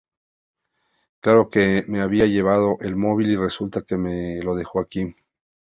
Creía que me había llevado el móvil y resulta que me lo dejé aquí.